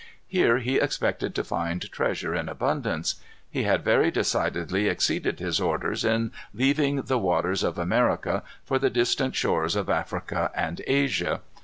Here he expected to find treasure in abundance. He had very decidedly exceeded his orders in leaving the waters of America for the distant shores of Africa and Asia.